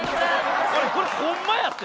俺これホンマやって。